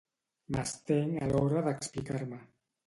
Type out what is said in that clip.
M'estenc a l'hora d'explicar-me.